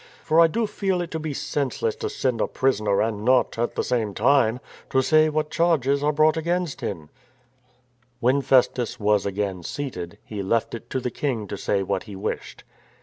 For I do feel it to be senseless to send a prisoner and not, at the same time, to say what charges are brought against him," When Festus was again seated, he left it to the King to say what he wished.